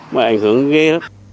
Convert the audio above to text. mà ảnh hưởng ghê lắm